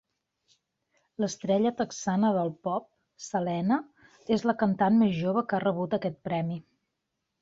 L'estrella texana del pop, Selena, és la cantant més jove que ha rebut aquest premi.